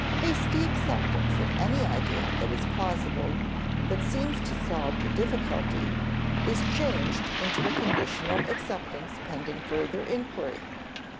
_ Hasty acceptance of any idea that is plausible, that seems to solve the difficulty, is changed into a conditional acceptance pending further inquiry.